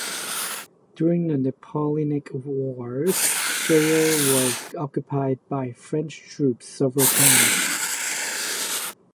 During the Napoleonic Wars Steyr was occupied by French troops several times.